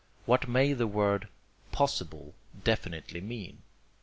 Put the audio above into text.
What may the word 'possible' definitely mean?